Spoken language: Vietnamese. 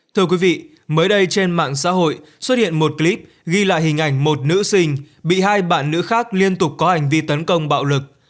thưa quý vị mới đây trên mạng xã hội xuất hiện một clip ghi lại hình ảnh một nữ sinh bị hai bạn nữ khác liên tục có hành vi tấn công bạo lực